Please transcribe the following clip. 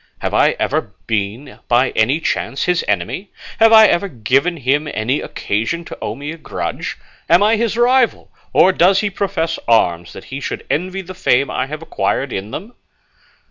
Have I ever been by any chance his enemy? Have I ever given him any occasion to owe me a grudge? Am I his rival, or does he profess arms, that he should envy the fame I have acquired in them?"